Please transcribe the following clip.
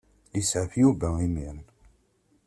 Yesɛef Yuba imir-n.